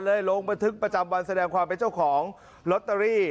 ลงบันทึกประจำวันแสดงความเป็นเจ้าของลอตเตอรี่